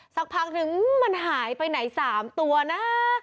สักพักนึงมันหายไปไหน๓ตัวนะ